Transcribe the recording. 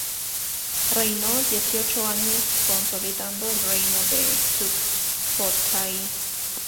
Reinó dieciocho años, consolidando el reino de Sukhothai.